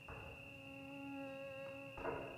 কারণ, তাঁর ভুল হলে দায় কিন্তু পুরো কমিশনকে বহন করতে হবে।